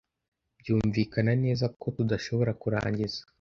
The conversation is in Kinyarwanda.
byumvikana neza ko tudashobora kurangiza